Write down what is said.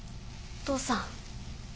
お父さん。